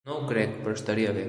No ho crec, però estaria bé.